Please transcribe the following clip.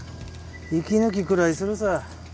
息抜きくらいするさ。